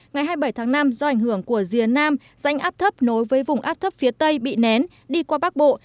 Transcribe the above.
ngày hai mươi bảy tháng năm do ảnh hưởng của rìa nam rãnh áp thấp nối với vùng áp thấp phía tây bị nén đi qua bắc bộ